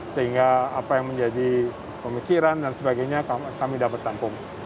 sehingga apa yang menjadi pemikiran dan sebagainya kami dapat tampung